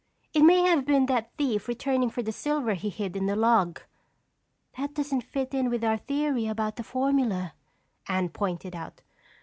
It may have been that thief returning for the silver he hid in the log." "That doesn't fit in with our theory about the formula," Anne pointed out.